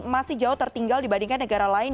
masih jauh tertinggal dibandingkan negara lain